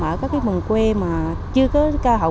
ở các cái bờn quê mà chưa có cơ hội